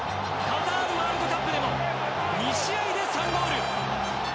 カタールワールドカップでも２試合で３ゴール！